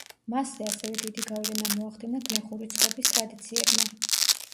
მასზე ასევე დიდი გავლენა მოახდინა გლეხური ცხობის ტრადიციებმა.